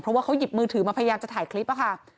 เพราะว่าเขาหยิบมือถือมาพยายามจะถ่ายคลิปค่ะ